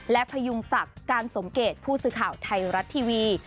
และพยุงศักดิ์การสมเกตผู้สื่อข่าวไทยรัฐทีวี